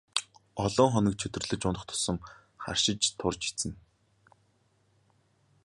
Олон хоног чөдөрлөж унах тусам харшиж турж эцнэ.